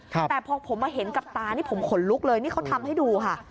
แต่พอผมมาเห็นกับตานี่ผมขนลุกเลยนี่เขาทำให้ดูค่ะ